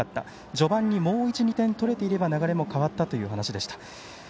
序盤にもう１２点取れていれば流れも変わったという話でした。